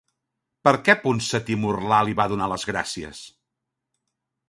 Per què Ponsatí-Murlà li va donar les gràcies?